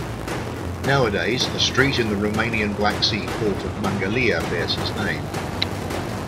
Nowadays, a street in the Romanian Black Sea port of Mangalia bears his name.